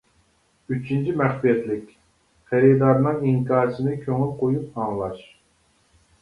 ئۈچىنچى مەخپىيەتلىك: خېرىدارنىڭ ئىنكاسىنى كۆڭۈل قويۇپ ئاڭلاش.